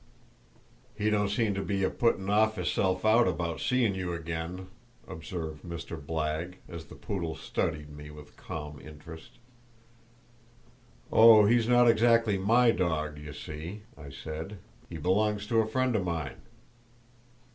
"He don't seem to be a puttin' of 'isself out about seein' you again," observed Mr. Blagg, as the poodle studied me with calm interest. "Oh, he's not exactly my dog, you see," I said; "he belongs to a friend of mine!"